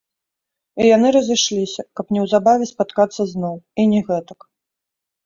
І яны разышліся, каб неўзабаве спаткацца зноў, і не гэтак.